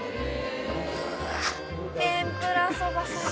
天ぷらそば最高。